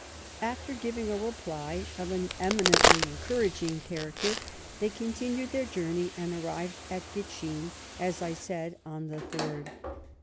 After giving a reply of an eminently encouraging character, they continued their journey, and arrived at Gitschin, as I said, on the 3rd.